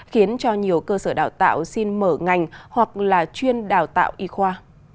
khiến cho nhiều cơ sở đào tạo xin mở ngành hoặc là chuyên đào tạo y khoa